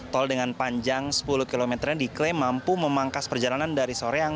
tol dengan panjang sepuluh km nya diklaim mampu memangkas perjalanan dari soreang